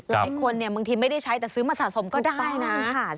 บางทีไม่ได้ใช้แต่ซื้อมาสะสมก็ได้นะ